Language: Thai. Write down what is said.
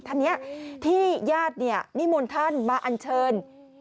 ท่านนี้ที่ญาตินิมนต์ท่านมาอัญเชิญ